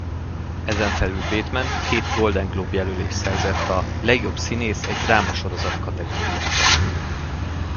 Ezenfelül Bateman két Golden Globe jelölést szerzett a Legjobb színész egy drámasorozat kategóriában.